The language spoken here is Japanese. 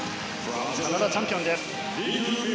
カナダチャンピオンです。